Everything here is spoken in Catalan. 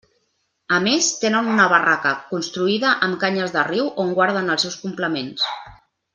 A més, tenen una barraca construïda amb canyes de riu on guarden els seus complements.